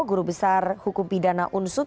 guru besar hukum pidana unsut